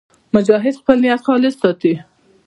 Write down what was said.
مجاهد خپل نیت خالص ساتي.